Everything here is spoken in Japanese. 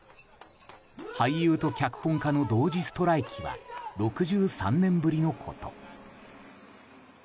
俳優と脚本家の同時ストライキは６３年ぶりのこと。